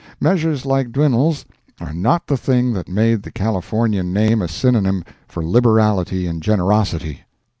Measures like Dwinelle's are not the things that made the Californian name a synonym for liberality and generosity.